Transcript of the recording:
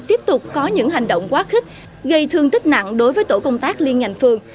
tiếp tục có những hành động quá khích gây thương tích nặng đối với tổ công tác liên ngành phường